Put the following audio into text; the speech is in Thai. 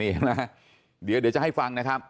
เนี่ยนะเดี๋ยวจะให้ฟังนะครับ